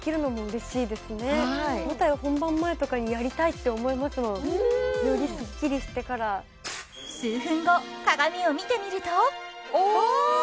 舞台本番前とかにやりたいって思いますもんよりスッキリしてから数分後鏡を見てみるとお！